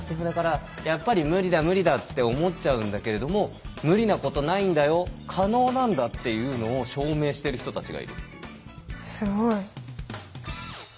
やっぱり「無理だ無理だ」って思っちゃうんだけれども無理なことないんだよ可能なんだっていうのを証明してる人たちがいるっていう。